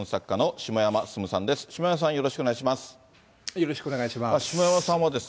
よろしくお願いします。